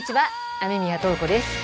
雨宮塔子です。